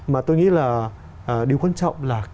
mà tôi nghĩ là điều quan trọng là